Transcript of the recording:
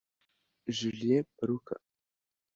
Julien Paluku